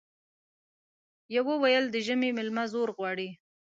يوه ويل د ژمي ميلمه زور غواړي ،